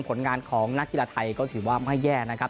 ผลงานของนักกีฬาไทยก็ถือว่าไม่แย่นะครับ